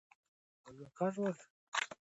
بزګران د ژوند لپاره مبارزه کوي.